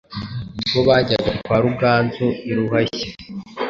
Ubwo bajyaga kwa Ruganzu i Ruhashya,